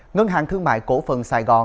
ngân hàng thương mại cổ phần sài gòn